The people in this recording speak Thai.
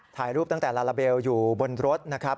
ถ่ายรูปตั้งแต่ลาลาเบลอยู่บนรถนะครับ